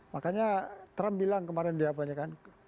makanya trump bilang kemarin di apa ya kan